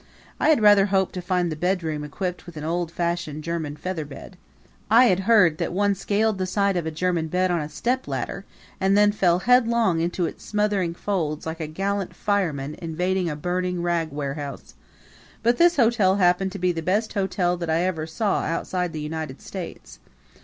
I had rather hoped to find the bedroom equipped with an old fashioned German feather bed. I had heard that one scaled the side of a German bed on a stepladder and then fell headlong into its smothering folds like a gallant fireman invading a burning rag warehouse; but this hotel happened to be the best hotel that I ever saw outside the United States.